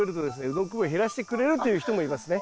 うどんこ病を減らしてくれるという人もいますね。